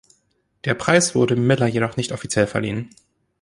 Der Preis wurde Miller jedoch nicht offiziell verliehen.